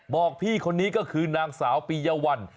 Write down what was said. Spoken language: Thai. บอกพี่คนนี้ก็คือนางสาวปียวัล